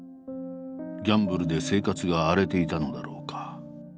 ギャンブルで生活が荒れていたのだろうか。